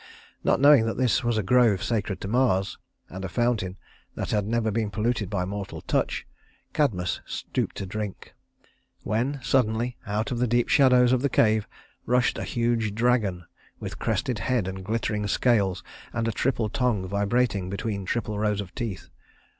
Not knowing that this was a grove sacred to Mars, and a fountain that had never been polluted by mortal touch, Cadmus stooped to drink, when suddenly, out of the deep shadows of the cave, rushed a huge dragon with crested head and glittering scales and a triple tongue vibrating between triple rows of teeth.